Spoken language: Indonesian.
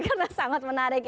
karena sangat menarik